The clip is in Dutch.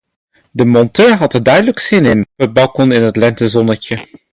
De monteur had er duidelijk zin in, op het balkon in een lentezonnetje.